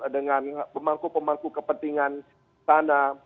dengan pemangku pemangku kepentingan sana